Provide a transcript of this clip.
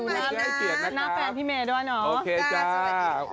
เจอกันมาอีกแล้วนะนักแฟนพี่เมย์ด้วยเนอะโอเคจ้าสวัสดีค่ะ